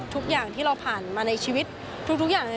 ทุกอย่างที่เราผ่านมาในชีวิตทุกอย่าง